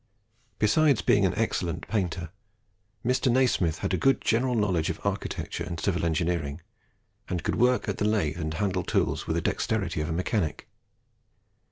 Besides being an excellent painter, Mr. Nasmyth had a good general knowledge of architecture and civil engineering, and could work at the lathe and handle tools with the dexterity of a mechanic.